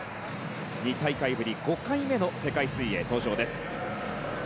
２大会ぶり５回目の世界水泳登場です。